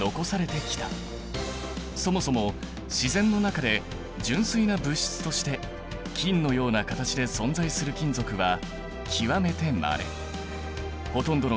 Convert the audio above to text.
そもそも自然の中で純粋な物質として金のような形で存在する金属は極めてまれ。